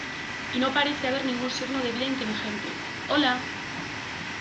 Y no parece haber ningún signo de vida inteligente. ¡ Hola!